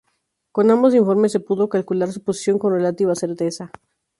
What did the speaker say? Con ambos informes se pudo calcular su posición con relativa certeza.